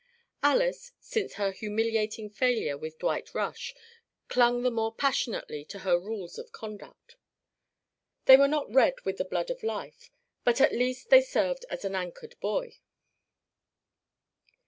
Alys, since her humiliating failure with Dwight Rush, clung the more passionately to her rules of conduct. They were not red with the blood of life, but at least they served as an anchored buoy.